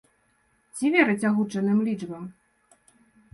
Ці верыць агучаным лічбам?